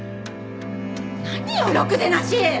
何よろくでなし！